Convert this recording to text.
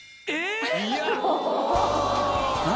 何？